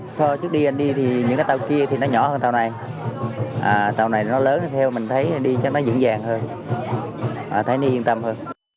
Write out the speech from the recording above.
so với trước đi anh đi thì những cái tàu kia thì nó nhỏ hơn tàu này tàu này nó lớn theo mình thấy đi cho nó dưỡng dàng hơn thấy nó yên tâm hơn